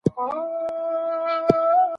که انلاین زده کړه وي، نو چاپېریال ثابت وي.